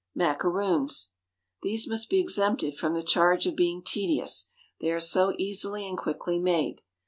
Macaroons. These must be exempted from the charge of being tedious, they are so easily and quickly made.